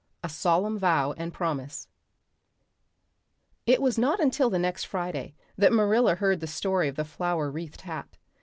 A Solemn Vow and Promise IT was not until the next Friday that Marilla heard the story of the flower wreathed hat.